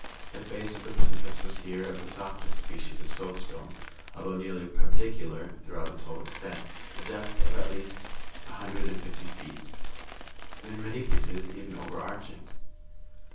The face of the precipice was here of the softest species of soapstone, although nearly perpendicular throughout its whole extent (a depth of a hundred and fifty feet at the least), and in many places even overarching.